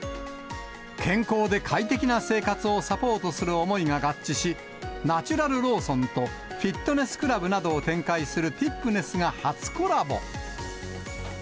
健康で快適な生活をサポートする思いが合致し、ナチュラルローソンと、フィットネスクラブなどを展開するティップネスが初コラボ。